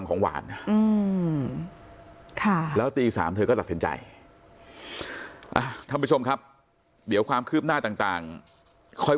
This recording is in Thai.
ของหวานนะแล้วตี๓เธอก็ตัดสินใจท่านผู้ชมครับเดี๋ยวความคืบหน้าต่างค่อย